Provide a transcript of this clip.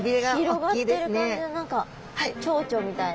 広がってる感じで何かチョウチョみたいな。